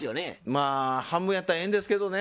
まあ半分やったらええんですけどね。